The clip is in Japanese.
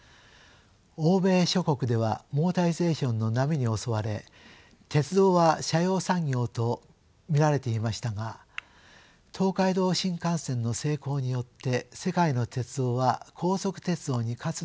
欧米諸国ではモータリゼーションの波に襲われ鉄道は斜陽産業と見られていましたが東海道新幹線の成功によって世界の鉄道は高速鉄道に活路を見いだしたのです。